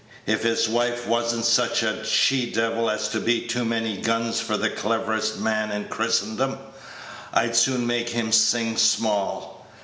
"If his wife was n't such a she devil as to be too many guns for the cleverest man in Christendom, I'd soon make him sing small.